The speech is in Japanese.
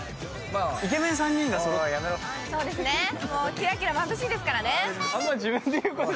キラキラまぶしいですからね。